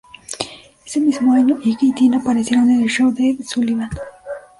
Ese mismo año, Ike y Tina aparecieron en el show de Ed Sullivan.